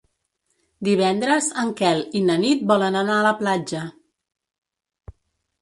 Divendres en Quel i na Nit volen anar a la platja.